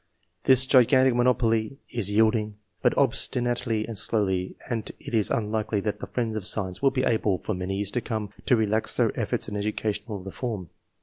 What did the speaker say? This gigantic monopoly is yield ing, but obstinately and slowly, and it is unlikely that the friends of science will be able, for many years to come, to relax their eflForts in educa tional reform.